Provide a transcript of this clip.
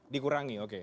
dikurangi begitu ya